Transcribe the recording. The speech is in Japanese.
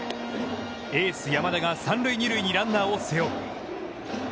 エース山田が２塁３塁にランナーを背負う。